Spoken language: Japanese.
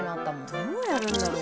どうやるんだろう？